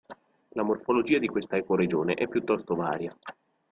La morfologia di questa ecoregione è piuttosto varia.